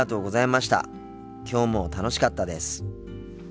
きょうも楽しかったです。